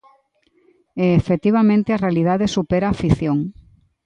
E, efectivamente, a realidade supera a ficción.